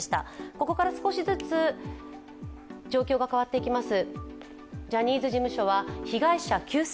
ここから少しずつ状況が変わっていきます。